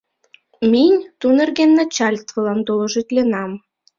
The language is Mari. Минь ту нерген начальствылан доложитленам.